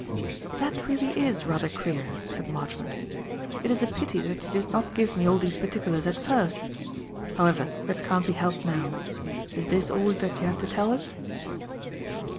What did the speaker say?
"That really is rather queer," said Marchmont. "It is a pity that you did not give me all these particulars at first. However, that can't be helped now. Is this all that you have to tell us?"